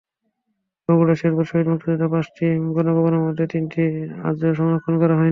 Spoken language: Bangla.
বগুড়ার শেরপুরে শহীদ মুক্তিযোদ্ধাদের পাঁচটি গণকবরের মধ্যে তিনটি আজও সংরক্ষণ করা হয়নি।